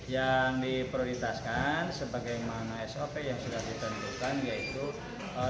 yang diprioritaskan sebagai mana sop yang sudah ditentukan yaitu